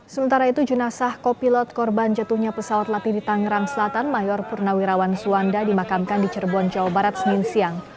sementara itu jenazah kopilot korban jatuhnya pesawat latih di tangerang selatan mayor purnawirawan suwanda dimakamkan di cirebon jawa barat senin siang